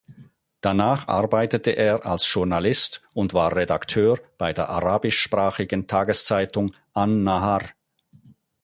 Danach arbeitete er als Journalist und war Redakteur bei der arabischsprachigen Tageszeitung An-Nahar.